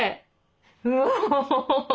うわ。